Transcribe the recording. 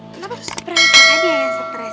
kenapa harus berani berani aja ya yang stres